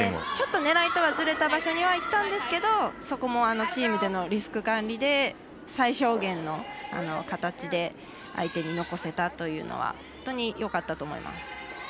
ちょっと狙いとはずれた場所にはいったんですけどそこもチームでのリスク管理で最小限の形で相手に残せたというのは本当によかったと思います。